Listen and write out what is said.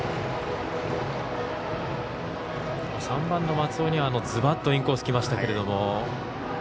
３番の松尾にはズバッとインコースきましたが。